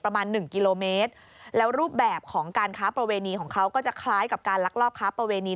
ประมาณหนึ่งกิโลเมตรแล้วรูปแบบของการค้าประเวณีของเขาก็จะคล้ายกับการลักลอบค้าประเวณี